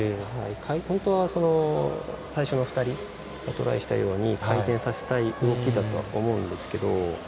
本当は最初の２人がトライしたように回転させたい動きだと思うんですけど。